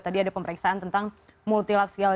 tadi ada pemeriksaan tentang multilaksial